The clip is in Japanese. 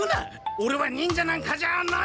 オレは忍者なんかじゃない！